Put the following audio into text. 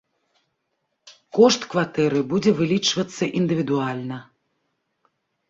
Кошт кватэры будзе вылічвацца індывідуальна.